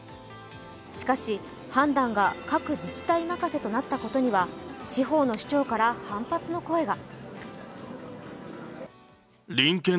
しかし、判断が各自治体任せとなったことには地方の首長から反発の声が。